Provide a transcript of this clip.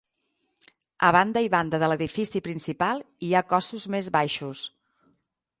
A banda i banda de l'edifici principal hi ha cossos més baixos.